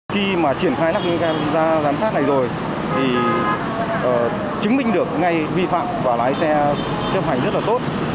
khi mà triển khai lắp camera giám sát này rồi thì chứng minh được ngay vi phạm và lái xe chấp hành rất là tốt